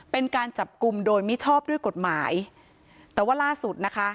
เป็นการจับกลุ่มโดยมิชอบด้วยกฎหมายแต่ว่าล่าสุดนะคะ